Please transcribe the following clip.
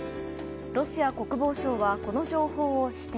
ロシア国防省はこの情報を否定。